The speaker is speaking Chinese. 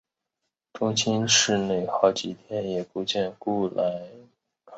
这些大区办公室通常设在指定的中心城市内。